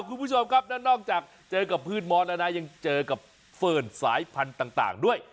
คุณผู้ชมครับแล้วนอกจากเจอกับพืชมอสแล้วนะยังเจอกับเฟิร์นสายพันธุ์ต่างด้วย